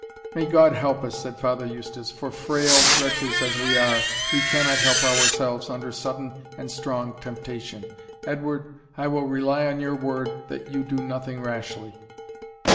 "May God help us," said Father Eustace, "for, frail wretches as we are, we cannot help ourselves under sudden and strong temptation. Edward, I will rely on your word that you do nothing rashly."